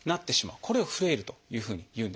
これを「フレイル」というふうに言うんですね。